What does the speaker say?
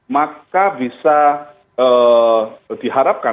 maka bisa diharapkan